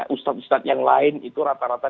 ustadz ustadz yang lain itu rata rata